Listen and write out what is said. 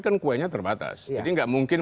kan kuenya terbatas jadi nggak mungkin